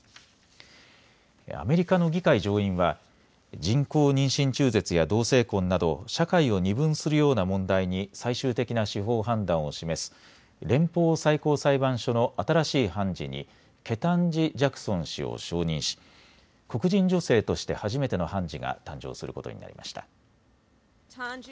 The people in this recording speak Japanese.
アメリカの議会上院は人工妊娠中絶や同性婚など社会を二分するような問題に最終的な司法判断を示す連邦最高裁判所の新しい判事にケタンジ・ジャクソン氏を承認し黒人女性として初めての判事が誕生することになりました。